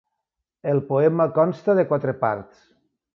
El poema consta de quatre parts.